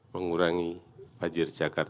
mengurangi keadaan penduduk jakarta